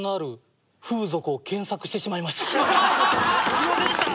すいませんでした！